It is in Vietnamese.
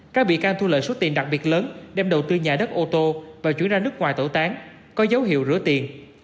các bị can thu lợi số tiền đặc biệt lớn đem đầu tư nhà đất ô tô và chuyển ra nước ngoài tẩu tán có dấu hiệu rửa tiền